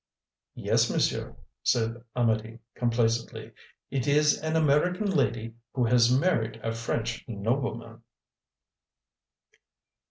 "Yes, monsieur," said Amedee complacently; "it is an American lady who has married a French nobleman."